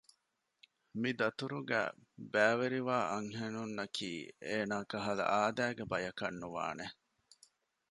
މި ދަތުރުގައި ބައިވެރިވާ އަންހެނުންނަކީ އޭނާ ކަހަލަ އާދައިގެ ބަޔަކަށް ނުވާނެ